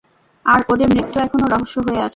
আর ওদের মৃত্যু এখনও রহস্য হয়ে আছে।